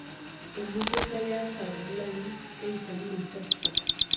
Emmotoka ya Kagulanyi teyitamu masasi.